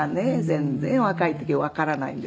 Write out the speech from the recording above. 全然若い時はわからないんですよね。